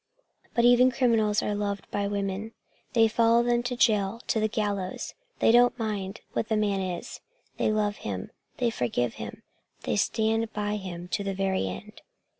"But even criminals are loved by women. They follow them to jail, to the gallows. They don't mind what the man is they love him, they forgive him. They stand by him to the very end!"